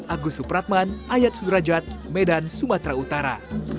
agus supratman ayat sudrajat medan sumatera utara